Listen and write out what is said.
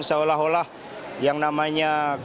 seolah olah yang namanya doni itu